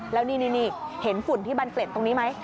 แล้วนี่เห็นฝุ่นที่บันเกล็ดตรงนี้ไหม